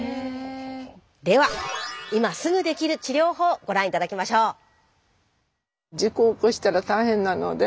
では今すぐできる治療法ご覧頂きましょう。